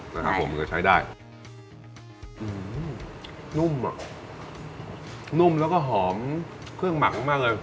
นะครับผมก็ใช้ได้อืมนุ่มอ่ะนุ่มแล้วก็หอมเครื่องหมักมากมากเลย